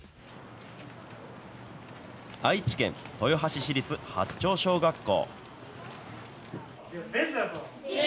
愛知県豊橋市立八町小学校。